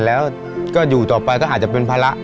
แล้วก็อยู่ต่อไปก็อาจจะเป็นภาระ